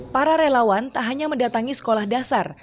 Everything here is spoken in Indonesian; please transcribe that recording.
para relawan tak hanya mendatangi sekolah dasar